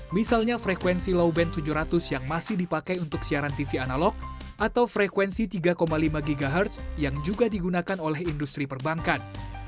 misalnya frekuensi low band tujuh ratus yang masih dipakai untuk siaran tv analog atau frekuensi tiga lima ghz yang juga digunakan oleh industri perbankan